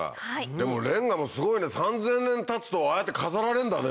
でもれんがもすごいね３０００年たつとああやって飾られんだね。